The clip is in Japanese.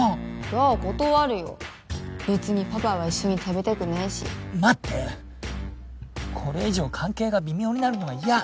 じゃあ断るよ別にパパは一緒に食べたくないし待ってこれ以上関係が微妙になるのは嫌！